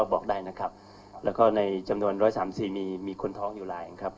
บอกได้นะครับแล้วก็ในจำนวนร้อยสามสี่มีมีคนท้องอยู่หลายครับ